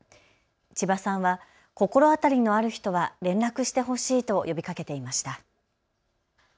千葉さんは心当たりのある人は連絡してほしいと呼びかけていました。